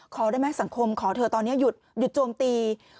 ขอได้ไหมสังคมขอเธอตอนนี้หยุดโจมตี